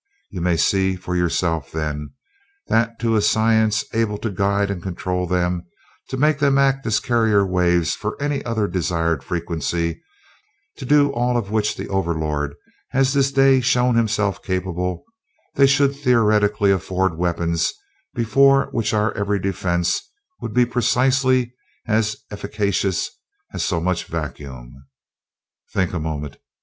You may see for yourself, then, that to a science able to guide and control them, to make them act as carrier waves for any other desired frequency to do all of which the Overlord has this day shown himself capable they should theoretically afford weapons before which our every defense would be precisely as efficacious as so much vacuum. Think a moment!